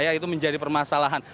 ya itu menjadi permasalahan